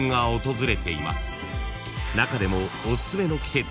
［中でも］